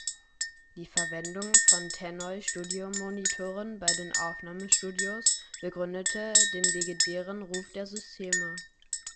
Die Verwendung von Tannoy-Studiomonitoren bei den Aufnahmestudios begründete den legendären Ruf der Systeme.